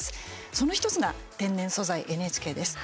その１つが「天然素材ＮＨＫ」です。